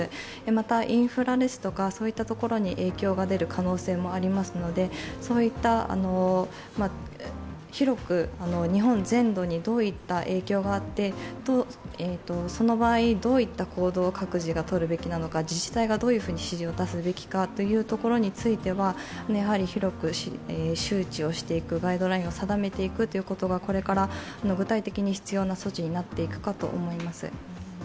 また、インフラなどに影響が出る可能性もありますので、広く日本全土にどういった影響があって、その場合、どういった行動を各自がとるべきなのか自治体がどう指示を出すべきかについては、広く周知をしていく、ガイドラインを定めていくことがこれから具体的に必要な措置になっていくかと思います。